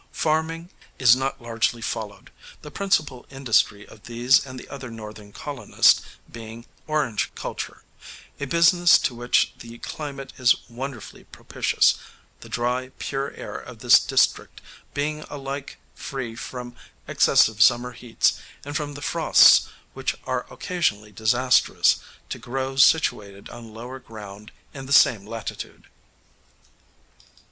Farming is not largely followed, the principal industry of these and the other Northern colonists being orange culture a business to which the climate is wonderfully propitious, the dry, pure air of this district being alike free from excessive summer heats and from the frosts which are occasionally disastrous to groves situated on lower ground in the same latitude.